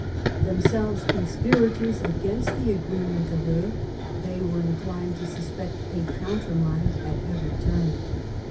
Themselves conspirators against the agreement of Eu^ they were inclined to sus pect a countermine at every turn.